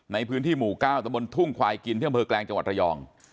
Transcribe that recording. ในพื้นที่หมู่ก้าวตำรวจทุ่งควายกินเที่ยวเมืองแกรงจังหวัดระยอง